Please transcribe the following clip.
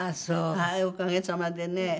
はいおかげさまでね。